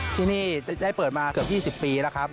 ที่นี่ได้เปิดมาเกือบ๒๐ปีแล้วครับ